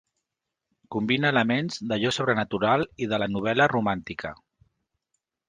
Combina elements d'allò sobrenatural i de la novel·la romàntica.